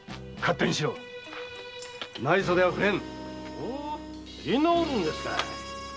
ほ居直るんですかい？